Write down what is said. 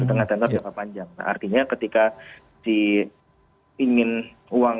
nah artinya ketika di ingin uang